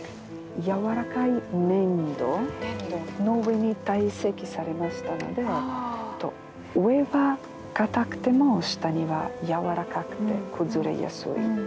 軟らかい粘土の上に堆積されましたので上は硬くても下には軟らかくて崩れやすい。